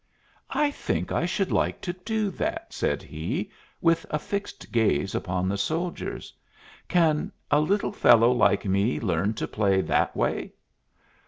"I think I should like to do that," said he, with a fixed gaze upon the soldiers. "Can a little fellow like me learn to play that way?"